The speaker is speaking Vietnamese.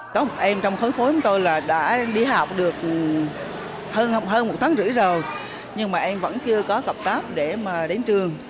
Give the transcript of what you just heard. có một em trong khối phối của tôi đã đi học được hơn một tháng rưỡi rồi nhưng mà em vẫn chưa có cặp táp để mà đến trường